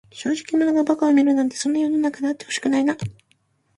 正直者が馬鹿を見るなんて、そんな世の中であってほしくないな。